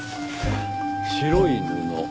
白い布？